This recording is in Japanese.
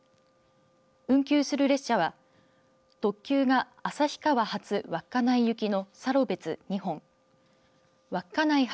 運休する列車は特急が旭川発稚内行のサロベツ２本稚内発